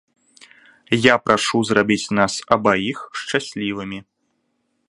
Я прашу зрабіць нас абаіх шчаслівымі!